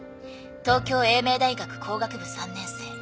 東京英明大学工学部３年生。